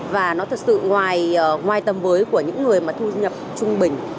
và nó thật sự ngoài tầm với của những người mà thu nhập trung bình